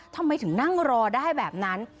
ทำไมถึงนั่งรอได้แบบนั้น